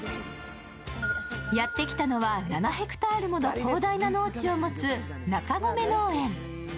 やって来たのは７００ヘクタールもの広大な農地を持つ中込農園。